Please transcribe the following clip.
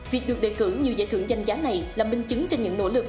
việc được đề cử nhiều giải thưởng danh giá này là minh chứng cho những nỗ lực